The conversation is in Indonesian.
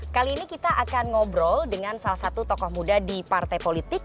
kali ini kita akan ngobrol dengan salah satu tokoh muda di partai politik